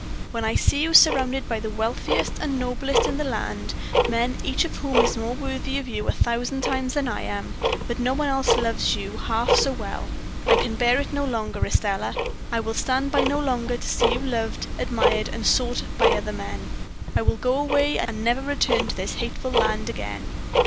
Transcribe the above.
When I see you surrounded by the wealthiest and noblest in the land men each of whom is more worthy of you a thousand times than I am but no one else loves you one half so well, I can bear it no longer, Estelle. I will stand by no longer to see you loved, admired, and sought by other men. I will go away, and never return to this hateful land again.'